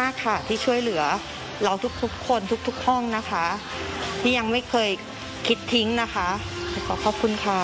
มากค่ะที่ช่วยเหลือเราทุกทุกคนทุกห้องนะคะที่ยังไม่เคยคิดทิ้งนะคะขอขอบคุณค่ะ